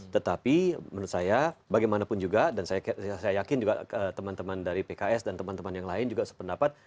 tetapi menurut saya bagaimanapun juga dan saya yakin juga teman teman dari pks dan teman teman yang lain juga sependapat